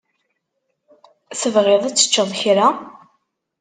Tebɣiḍ ad teččeḍ kra?